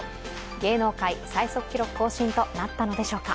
芸能界最速記録更新となったのでしょうか。